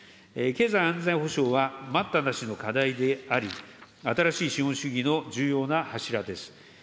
経済安全保障は、待ったなしの課題であり、新しい資本主義の重要な柱です。